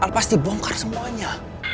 al pasti bongkar semuanya